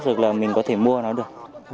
được là mình có thể mua nó được